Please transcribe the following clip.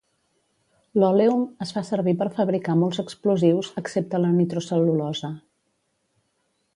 L'òleum es fa servir per fabricar molts explosius excepte la nitrocel·lulosa.